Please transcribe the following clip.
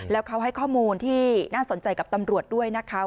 แล้วเขาให้ข้อมูลที่น่าสนใจกับตำรวจด้วยนะคะ